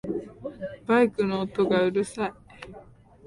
バイクの音がうるさい